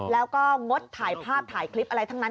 แล้วก็งดถ่ายภาพถ่ายคลิปอะไรทั้งนั้น